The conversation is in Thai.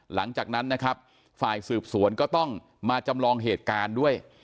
หลังจากนั้นนะครับฝ่ายสืบสวนก็ต้องมาจำลองเหตุการณ์ด้วย